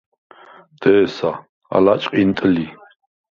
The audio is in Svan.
დე̄სა, ალა ჭყინტ ლი.